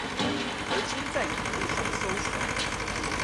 而今在網路上搜尋